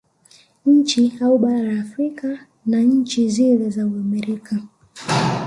Nchi au bara la Afrika na nchi zile za Amerika